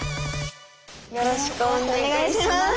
よろしくお願いします。